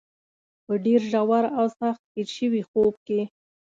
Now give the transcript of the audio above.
په ډېر ژور او سخت هېر شوي خوب کې.